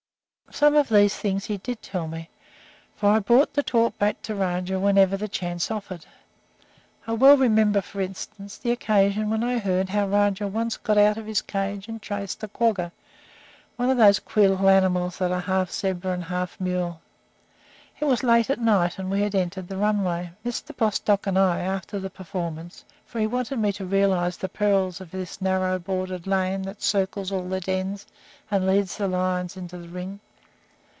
Some of these things he did tell me, for I brought the talk back to Rajah whenever the chance offered. I well remember, for instance, the occasion when I heard how Rajah once got out of his cage and chased a quagga one of those queer little animals that are half zebra and half mule. It was late at night, and we had entered the runway, Mr. Bostock and I, after the performance, for he wanted me to realize the perils of this narrow boarded lane that circles all the dens and leads the lions to the ring.